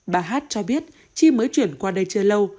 bà hát cho biết chi mới chuyển qua đây chưa lâu